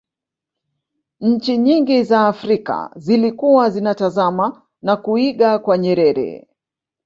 nchi nyingi za afrika zilikuwa zinatazama na kuiga kwa nyerere